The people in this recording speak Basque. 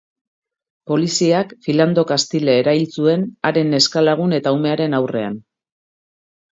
Poliziak Philando Castile erail zuen, haren neska-lagun eta umearen aurrean.